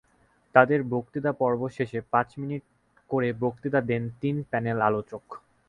তাঁদের বক্তৃতা পর্ব শেষে পাঁচ মিনিট করে বক্তৃতা দেন তিন প্যানেল আলোচক।